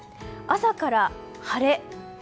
朝から晴れ。